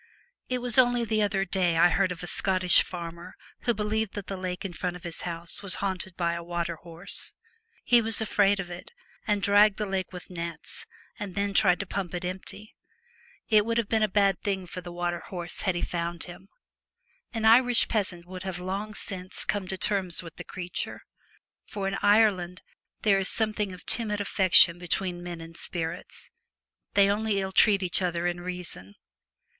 It was only the other day I heard of a Scottish farmer who believed that the lake in front of his house was haunted by a water horse. He was afraid of it, and dragged the lake with nets, and then tried to pump it empty. It would have been a bad thing for the water horse had he found him. An Irish peasant would have long since come to terms with the creature. For in Ireland there is something of timid affection between men and spirits. They only ill treat each other in reason.